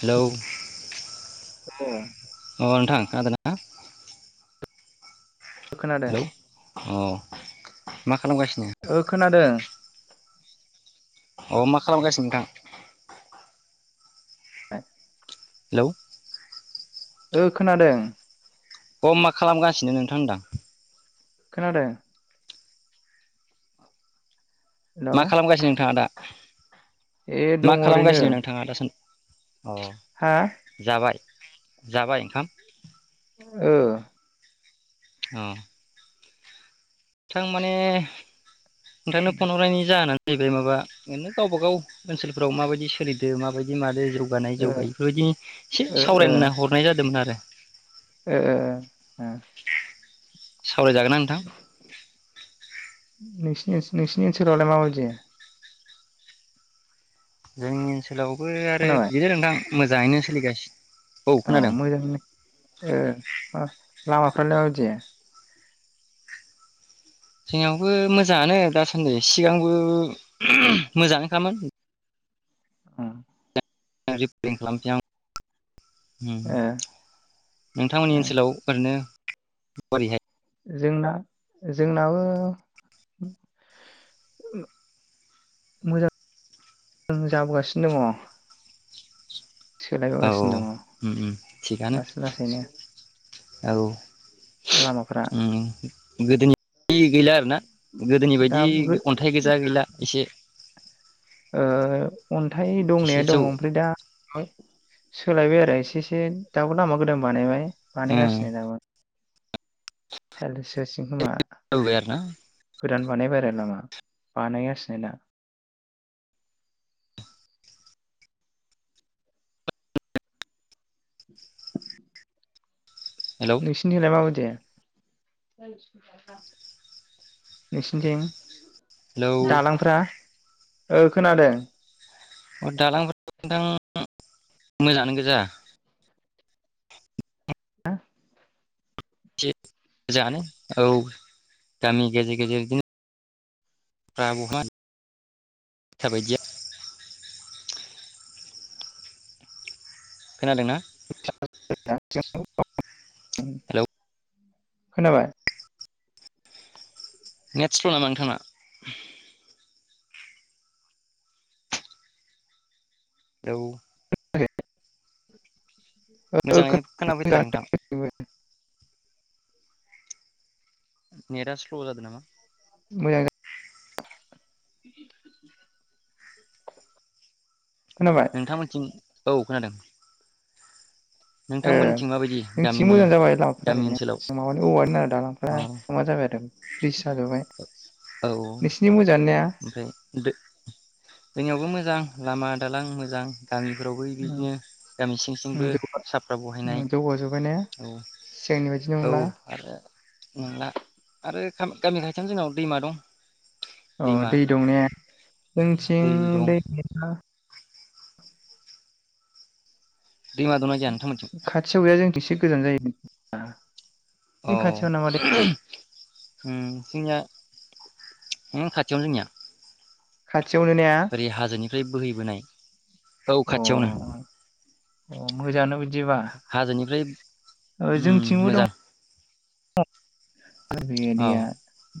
Hello. ओ अ नोंथां खोनादोंना? खोनादों हेलौ अ मा खालामगासिनो ओ खोनादों। अ मा खालामगासिनो नोंथां? [unintelligible] हेलौ। ओ खोनादों। अह मा खालामगासिनो नोंथां होनदां? खोनादों हेलौ मा खालामगासिनो नोंथाङा दा? ए मा दङ ओरैनो खालामगासिनो नोंथाङा दासान अ। हा जाबाय? जाबाय ओंखाम? औ अ। थां माने नोंथांनो फन हरनायनि जाहोनानो हैबाय माबा ओरैनो गावबा गाव ओनसोलफ्राव माबायदि सोलिदो माबायदि मादो। जौगानाय ओ जौगायै बेफोरबायदि एसे ओ सावरायनो होनना ओ हरनाय जादोंमोन आरो ओ ओ सावरायजागोनना नोंथां? नोंसिनि नोंसिनि ओनसोलावलाय माबायदि? जोंनि ओनसो ओनसोलावबो आरो खोनाबाय बिदिनो नोंथां। मोजाङैनो सोलिगा अह मोजाङैनो ओ अ लामा [unintelligible] जोंनियावबो मोजाङानो दासान्दि सिगांबो मोजांनोखामोन। उम [unintelligible] खालामसै आं। उम। ओ नोंथांमोननि ओनसोलाव उम ओरैनो [inaudible] जोंना जोंनाबो मोजां जाबोगासिनो दङ औ सोलायबोगासिनो दङ उम उम थिगानो लासै लासैनो। औ लामाफ्रा उम गोदोनि [inaudible] गैला आरो ना गोदोनि दा बायदि गो अन्थाइ गोजा गैला एसे ओ अन्थाइ एसे दंनाया जौ दङ ओमफ्राय दा। सोलायबाय आरो एसे एसे दाबो लामा गोदान बानायबाय बानाय ओ गासिनो दाबो। [unintelligible] आरो ना गोदान बानायबाय आरो नामा बानायगासिनो दा? हेलौ नोंसिनि थिंलाय माबाय दे नोसिनिथिं हेलौ दालांफ्रा ओ खोनादों। दालां फोराथ नोंथां मोजाङानो गोजा। ्् [inaudible] से मोजाङानो औ गामि गेजेर गेजेर इदिनो [inaudible] खोनादोंना? [inaudible] उम हेलौ खोनाबाय? नेट स्ल नामा नोंथां ना? औ ओ मोजाङैनो खोना फैथाराखै नोंथां। [unintelligible] नेटा स्ल' जादों नामा? मोजां जादों खोनाबाय नोंथांमोन्निथिं औ खोनादों ओ नोंथांमोनथिं माबायदि जोंनिथिं गामिनि मोजां जाबाय लामाफोरा गामि ओरैनो ओनसोलाव माबानि औवानि दालां अ फोरा [unintelligible] ब्रिज जाजोबबाय औ नोंसिनिथिं मोजांङानो ओमफ्राय दो जोंनियावबो मोजां लामा दालां मोजां गामिफोरावबो उम बिदिनो गामि सिं उम सिंबो जौगा साफ्रा उम बहायनाय जौगाजोब्बाय ने औ सिगांनि बायदि औ नंला आरो नंला आरो गामि गामि खाथिनो जोंनाव दैमा दं। अ दैमा दै दं ने जोंथिं दै गैया। दैमा दंना गैया नों खाथियाव गैया जोंनिथिं एसे गोजान जायो। [unintelligible] अ खाथियाव नामा दैमाया ओम जोंनिया ओम खाथियावनो जोंनिया। खाथियावनो ने अ ओरै हाजोनिफ्राय बोहैबोनाय, औ खाथियावनो अ मोजाङानो बिदिबा हा-हाजोनिफ्राय ओम ओम जोंथिंबो दङ मोजां अ। बे दैया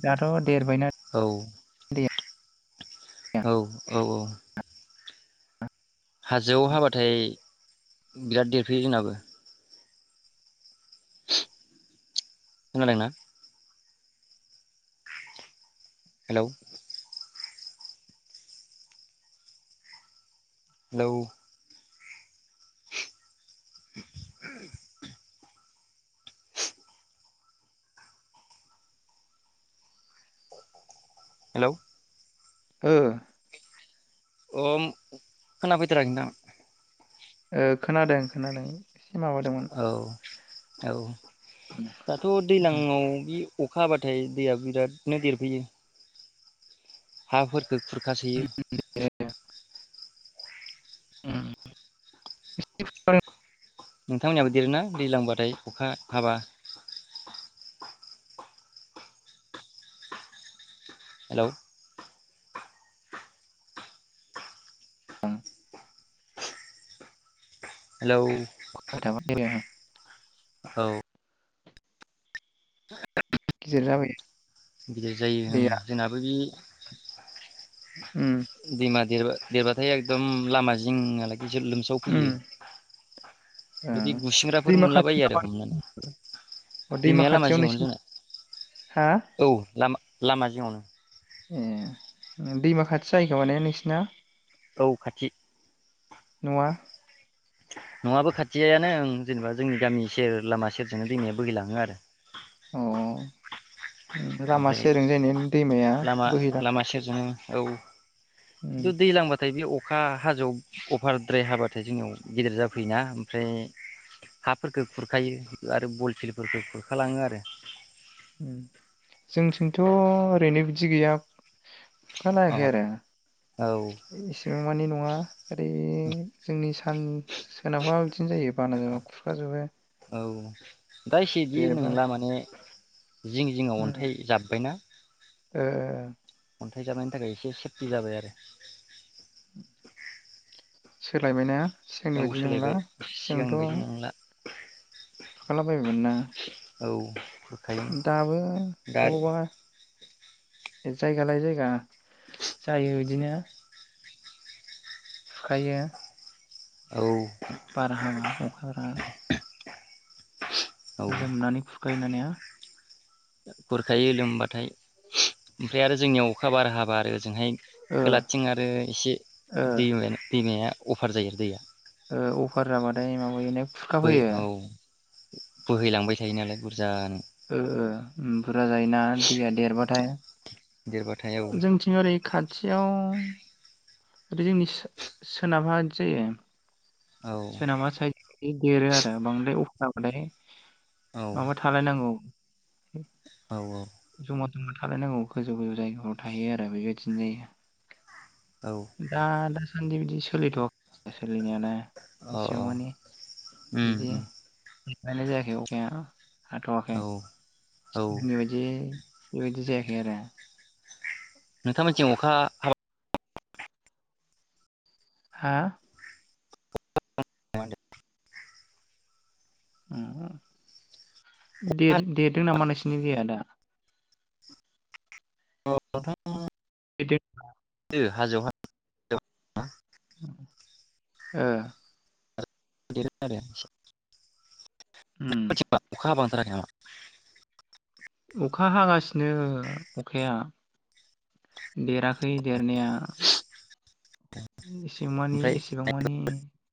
दाथ' देरबायना औ दैया औ औ औ। हाजोआव हाबाथाय बिराद देरफैयो जोंनाबो खोनादोंना? हेलौ लौ [inaudible] हेलौ ओ अम खोनाफैथाराखै दां। ओ खोनादों खोनादों से माबादोमोन। औ औ दाथ' दैलांआव बि अखा हाबाथाय दैया बिरादनो देरबोयो हाफोर गोखुरखासोयो [inaudible] उम [unintelligible] नोंथांमोननियाबो देरोना दैलांबाथाय अखा हाबा हेलौ हेलौ [unintelligible] औ गिदिर जाबाय। गिदिर जायो ओं दैया जोंनाबो बे उम [inaudible] दैमा देरबा देरबाथाय एखदम लामा जिं नालाय। गिदिर लोमसाव उम फैयो ओ बेदि बे गुसिंग्राफोर दैमा खाथि मोनलाबायो आरो नामा हमनानै, अ दैमा दैमाया लामा खाथियाव जिङावनो नोंसिनि जोंना। हा औ लामा लामा जिङावनो। ए दैमा खाथि जायोैखोमा ने नोंसिना? औ खाथि। नङा। नयाबो खाथियायानो जेनेबा जोंनि गामि सेर लामा सेरजोंनो दैमाया बोहैलाङो आरो। अ। लामा ओमफ्राय सेरजों दैमाया बोहैलाङो। उम दैल्जां बाथाय बे अखा अखा हाजोआव अभारद्राय हाबाथाय जोंनियाव गेदेर जाफैयोना ओमफ्राय हाफोरफोरखौ खुरखायो आरो बलफिलफोरखौ खुरखालाङो आरो। जोंनिथिंथ' ओरैनो बिदि गैया। अ खुरखालायाखै औ आरो मानि न‌आ ओरै जोंनि सान सोनाबहा। बिदिनो जायो बाना जाबा खुरखाजोबो। औ दा ‌एसे बिहिर देरबा नोंला माने। जिं जिंङाव उम अन्थाइ जाब्बायना ओ ओ ओ। अन्थाइ जाबनायनि थाखाय एसे सेफ्टि जाबाय आरो। सोलायबायना। सिगांनि औ बायदि नंला सोलायबाय सिगांथ' सिगांनि बादि नंला। फै। खुरखालाबायोमोन ना औ खुरखायो दाबो दा बबावबा जायगा लायै जायगा जायो इदिनो खायो। औ। बारहावा अखा बार। औ लोमनानै गायनानै हो। खुरखायो लोमबाथाय ओमफ्राय आरो जोंनियाव अखा बार हाबा आरो ओजोंहाय ओ खोलाथिं आरो एसे ओ दै दैमाया अभार जायो दैया। ओ अभार माने माब बयोनो खुरखा बो फैयो। औ बोहैलांबाय थायो नालाय बुरजानो। ओ बुरजा जायोना दैया देरबाथाय देरबाथाय औ जोंनिथिं ओरै खाथियाव ओरै जोंनि सोनाबहा बिदि जायो। औ सोनामा साइद देरो आरो बांद्राय अ औ माने औ माबा थालायनांगौ। औ जुम [unintelligible] गोजौ गोजौ जायगायाव थाहैयो आरो बेबायदिनो औ दा दा आंदि बिदि सोलिथवाखै सोलिनायालाय। अ एसेबां मानि व बिदि [unintelligible] जायाखै अखाया हाथवाखै औ औ जोंनि बायदि बेबायदि जायाखै आरो नोंथांमोनथिं अखा हाबा हा [unintelligible] हाबा देर देरदों नामा नोंसिनि दैया दा? औ नोंथां [unintelligible] हाजो [unintelligible] ओ [inaudible] उम [unintelligible] अखा हाबा [inaudible] अखा हागासिनो अखाया, देराखै देरनाया एसे मानि ओमफ्राय एसेबां मानि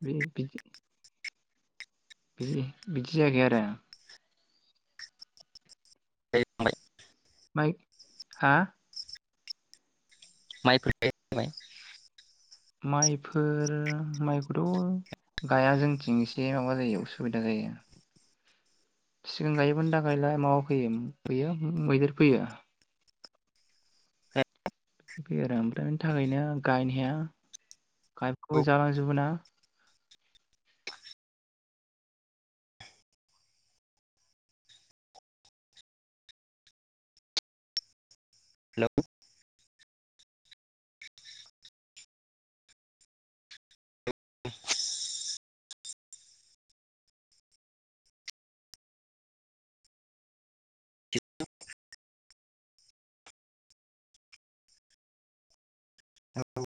बे [unintelligible] बिदि बिदि जायाखै आरो। [inaudible] माइ हा? माइ [inaudible] माइफोर माइखौथ गाया जोंथिं एसे माबा जायो उसुबिदा जायो। सिगां गायोमोन दा गायला माबा फैयो बेयो मैदेर फैयो। [unintelligible] फैयो आरो ओमफ्राय बिनि थाखायनो गायनो हाया, गायखौबो हेलौ जालांजोबोना। हेलौ औे